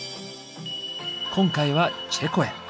今回はチェコへ。